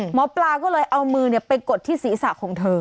หมอปลาก็เลยเอามือไปกดที่ศีรษะของเธอ